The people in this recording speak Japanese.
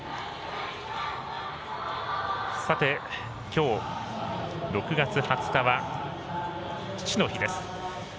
きょう、６月２０日は父の日です。